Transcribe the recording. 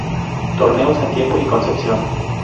Torneo Santiago y Concepción.